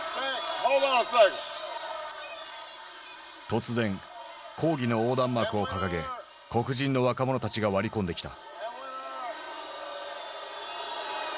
突然抗議の横断幕を掲げ黒人の若者たちが割り込んできた。